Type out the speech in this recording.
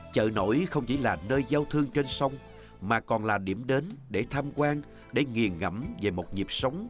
chợ nổi không chỉ là nơi giao thương trên sông mà còn là điểm đến để tham quan để nghiền ngẫm về một nhịp sống